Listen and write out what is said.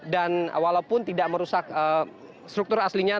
dan walaupun tidak merusak struktur aslinya